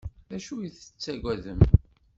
D acu ay tettaggadem?